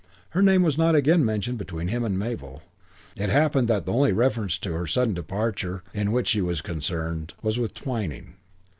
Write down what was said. Her name was not again mentioned between him and Mabel. It happened that the only reference to her sudden departure in which he was concerned was with Twyning.